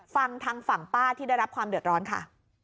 ฟังทางฝั่งป้าที่ได้รับความเดือดร้อนค่ะ